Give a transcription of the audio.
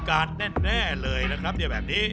กันแน่เลยนะครับอย่างแบบนี้